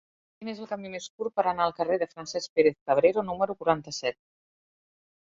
Quin és el camí més curt per anar al carrer de Francesc Pérez-Cabrero número quaranta-set?